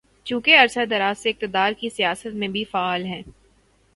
چونکہ عرصۂ دراز سے اقتدار کی سیاست میں بھی فعال ہیں۔